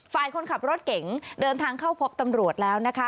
ฝ่ายคนขับรถเก๋งเดินทางเข้าพบตำรวจแล้วนะคะ